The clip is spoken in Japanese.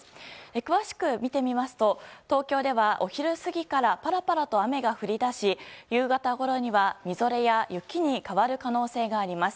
詳しく見てみますと東京では、お昼過ぎからパラパラと雨が降り出して夕方ごろには、みぞれや雪に変わる可能性があります。